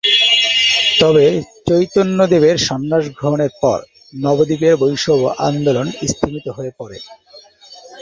তবে চৈতন্যদেবের সন্ন্যাস গ্রহণের পর নবদ্বীপের বৈষ্ণব আন্দোলন স্তিমিত হয়ে পড়ে।